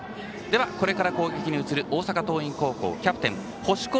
これから攻撃に移る大阪桐蔭高校キャプテン星子